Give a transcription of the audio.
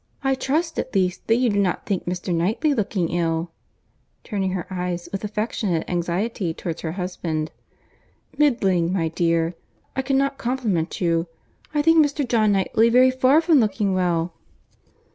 I trust, at least, that you do not think Mr. Knightley looking ill," turning her eyes with affectionate anxiety towards her husband. "Middling, my dear; I cannot compliment you. I think Mr. John Knightley very far from looking well."